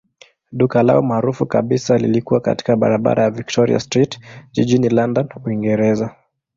Duka lao maarufu kabisa lilikuwa katika barabara ya Victoria Street jijini London, Uingereza.